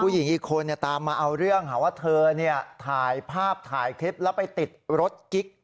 หญิงอีกคนตามมาเอาเรื่องหาว่าเธอถ่ายภาพถ่ายคลิปแล้วไปติดรถกิ๊ก